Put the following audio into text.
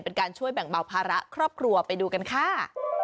เป็นการช่วยแบ่งเบาภาระครอบครัวไปดูกันค่ะ